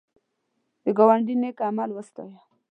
د ګاونډي نېک عمل وستایه